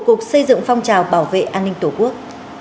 cục xây dựng phong trào bảo vệ an ninh tổ quốc